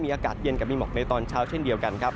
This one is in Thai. อากาศเย็นกับมีหมอกในตอนเช้าเช่นเดียวกันครับ